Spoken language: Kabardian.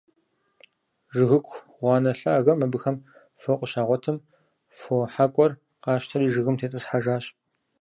Жыгыку гъуанэ лъагэм абыхэм фо къыщагъуэтым, фо хьэкӀуэр къащтэри жыгым тетӀысхьэжащ.